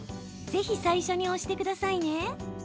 ぜひ最初に押してくださいね。